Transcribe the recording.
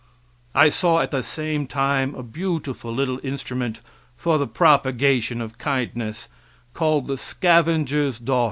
I saw at the same time a beautiful little instrument for the propagation of kindness, called "The Scavenger's Daughter."